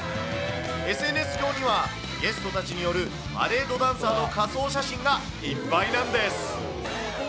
ＳＮＳ上にはゲストたちによるパレードダンサーの仮装写真がいっぱいなんです。